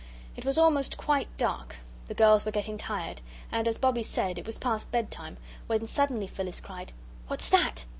It was almost quite dark, the girls were getting tired, and as Bobbie said, it was past bedtime, when suddenly Phyllis cried, "What's that?"